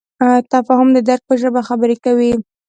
تفاهم د درک په ژبه خبرې کوي.